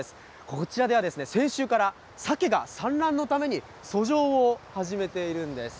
こちらでは先週から、サケが産卵のために遡上を始めているんです。